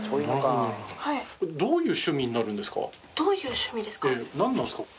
どういう趣味ですか？